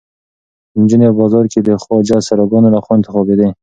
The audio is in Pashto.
نجونې په بازارونو کې د خواجه سراګانو لخوا انتخابېدې.